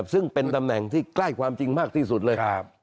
ซึ่งเป็นตำแหน่งที่ใกล้ความจริงมากที่สุดเลย